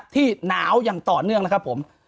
ที่หนาวอย่างต่อเนื่องนะครับผม